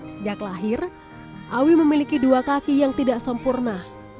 sejak lahir awi memiliki dua kaki yang tidak sempurna